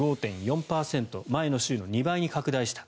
前の週の２倍に拡大した。